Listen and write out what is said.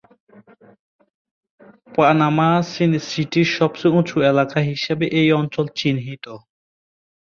Panama সিটির সবচেয়ে উঁচু এলাকা হিসেবে এই অঞ্চল চিহ্নিত।